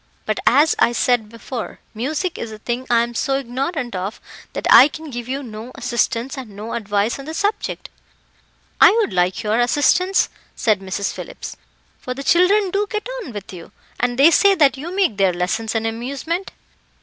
But, as I said before, music is a thing I am so ignorant of that I can give you no assistance and no advice on the subject." "I would like your assistance," said Mrs. Phillips, "for the children do get on with you, and they say that you make their lessons an amusement."